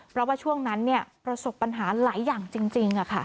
เพราะว่าช่วงนั้นประสบปัญหาหลายอย่างจริง